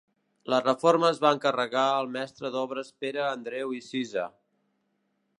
La reforma es van encarregar al mestre d'obres Pere Andreu i Cisa.